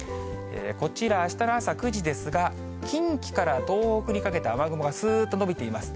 こちら、あしたの朝９時ですが、近畿から東北にかけて、雨雲がすーっと延びています。